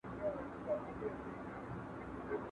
¬ په جنگ کي اسان نه چاغېږي.